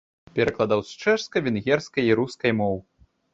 Перакладаў з чэшскай, венгерскай і рускай моў.